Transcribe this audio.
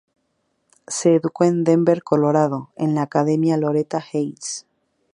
Se educó en Denver, Colorado, en la Academia Loretta Heights.